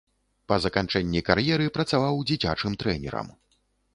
Па заканчэнні кар'еры працаваў дзіцячым трэнерам.